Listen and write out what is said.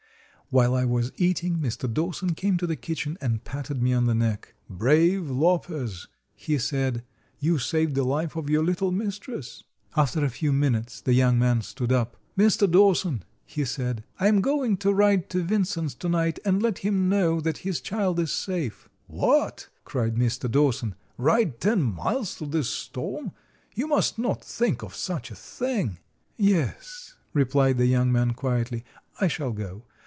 While I was eating Mr. Dawson came to the kitchen and patted me on the neck. "Brave Lopez," he said, "you saved the life of your little mistress." After a few minutes the young man stood up. "Mr. Dawson," he said, "I am going to ride to Vinson's to night and let him know that his child is safe." "What," cried Mr. Dawson, "ride ten miles through this storm? You must not think of such a thing." "Yes," replied the young man, quietly, "I shall go.